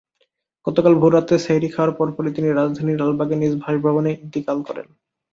গতকাল ভোররাতে সেহ্রি খাওয়ার পরপরই তিনি রাজধানীর লালবাগে নিজ বাসভবনে ইন্তেকাল করেন।